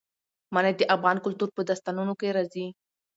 منی د افغان کلتور په داستانونو کې راځي.